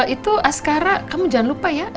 itu askara kamu jangan lupa ya